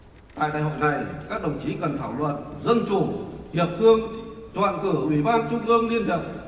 tại đại hội này các đồng chí cần thảo luận dân chủ hiệp thương chọn cử ủy ban trung ương liên hiệp